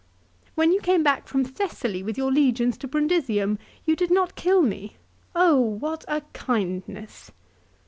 " When you came back from Thessaly with your legions to Brundisium you did not kill me ! 0, what a kindness."